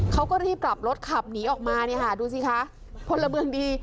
เขาก็รีบกลับรถขับหนีออกมาดูสิคะพลเบื้องดี